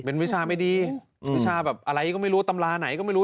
เป็นวิชาไม่ดีวิชาแบบอะไรก็ไม่รู้ตำราไหนก็ไม่รู้